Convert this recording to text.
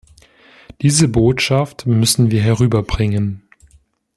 Diese Botschaft müssen wir herüberbringen.